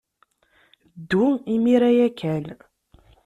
Ddu imir-a ya kan.